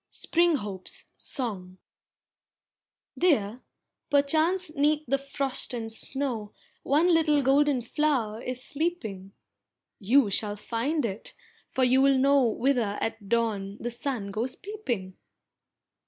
SPRING HOPES SONG Dear, perchance 'neath the frost and snow One little golden flower is sleeping, You shall find it, for you will know Whither at dawn the sun goes peeping.